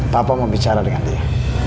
papa mau bicara dengan dia